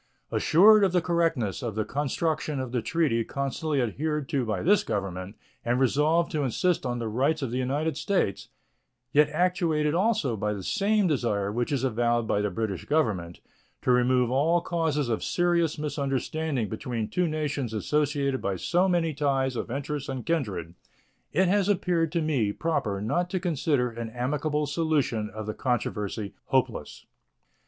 Assured of the correctness of the construction of the treaty constantly adhered to by this Government and resolved to insist on the rights of the United States, yet actuated also by the same desire which is avowed by the British Government, to remove all causes of serious misunderstanding between two nations associated by so many ties of interest and kindred, it has appeared to me proper not to consider an amicable solution of the controversy hopeless.